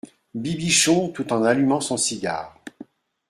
Bibichon, tout en allumant son cigare.